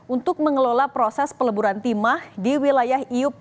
untuk mengelola proses peleburan timah di wilayah iup